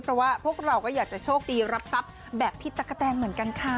เพราะว่าพวกเราก็อยากจะโชคดีรับทรัพย์แบบพี่ตั๊กกะแตนเหมือนกันค่ะ